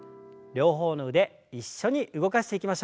両方の腕一緒に動かしていきましょう。